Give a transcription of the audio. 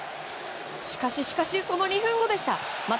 しかししかしその２分後でした。